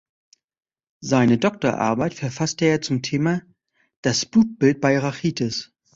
Seine Doktorarbeit verfasste er zum Thema "Das Blutbild bei Rachitis".